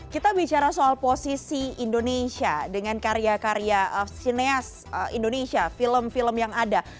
kita bicara soal posisi indonesia dengan karya karya sineas indonesia film film yang ada